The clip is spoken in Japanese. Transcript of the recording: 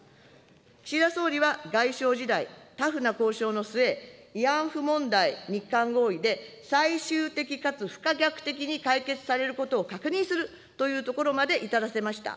岸田総理は外相時代、タフな交渉の末、慰安婦問題、日韓合意で最終的かつ不可逆的に解決されることを確認するというところまで至らせました。